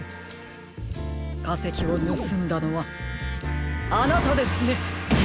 かせきをぬすんだのはあなたですね！